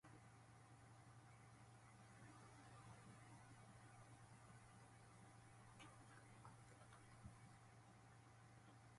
Give us back our time.